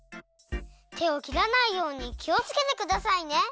てをきらないようにきをつけてくださいね。